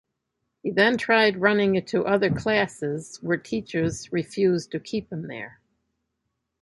He then tried running into other classes were teachers refused to keep him there.